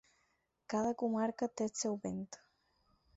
Cada comarca té el seu vent.